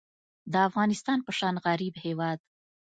د افغانستان په شان غریب هیواد